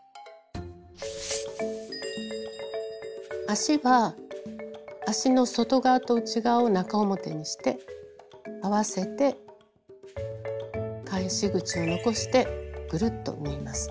足は足の外側と内側を中表にして合わせて返し口を残してぐるっと縫います。